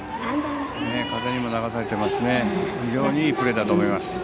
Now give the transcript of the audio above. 風にも流されてますし非常にいいプレーだと思います。